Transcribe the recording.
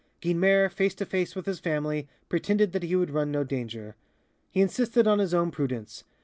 Guynemer, face to face with his family, pretended that he would run no danger. He insisted on his own prudence.